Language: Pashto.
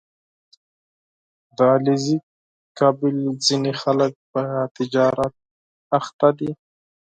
• د علیزي قوم ځینې خلک په تجارت بوخت دي.